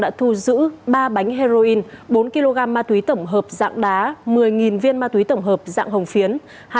đã thu giữ ba bánh heroin bốn kg ma túy tổng hợp dạng đá một mươi viên ma túy tổng hợp dạng hồng phiến